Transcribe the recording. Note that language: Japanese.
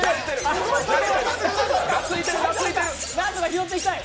何とか拾っていきたい。